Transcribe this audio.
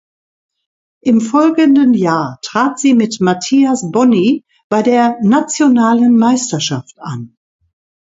Im folgenden Jahr trat sie mit Mathias Bonny bei der nationalen Meisterschaft an.